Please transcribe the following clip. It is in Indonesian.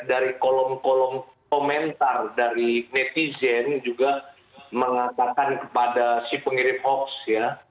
dari kolom kolom komentar dari netizen juga mengatakan kepada si pengirim hoax ya